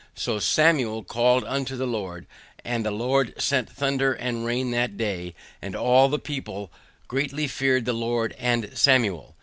SO SAMUEL CALLED UNTO THE LORD, AND THE LORD SENT THUNDER AND RAIN THAT DAY, AND ALL THE PEOPLE GREATLY FEARED THE LORD AND SAMUEL.